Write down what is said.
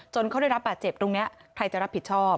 เขาได้รับบาดเจ็บตรงนี้ใครจะรับผิดชอบ